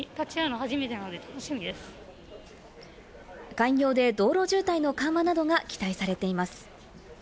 開業で道路渋滞の緩和などが期待されています。